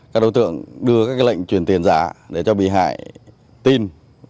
các đối tượng đưa các lệnh truyền tiền giả để cho bị hại tin